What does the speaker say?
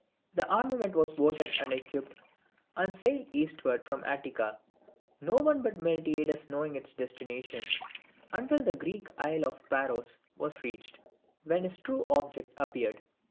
The armament was voted and equipped, and sailed eastward from Attica, no one but Miltiades knowing its destination, until the Greek isle of Paros was reached, when his true object appeared.